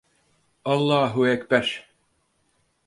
Allahuekber!